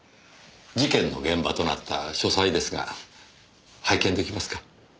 事件の現場となった書斎ですが拝見出来ますか？